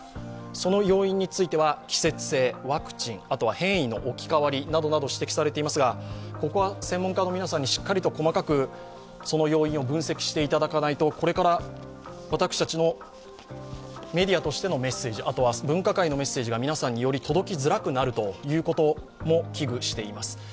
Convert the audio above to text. その要因については季節性、ワクチン、あとは変異の置き換わりなどなど、指摘されていますが、ここは専門家の皆さんにしっかりと細かく、その要因を分析していただかないと、これから私たちのメディアとしてのメッセージ、あとは分科会のメッセージが皆さんにより届きづらくなることも危惧しています。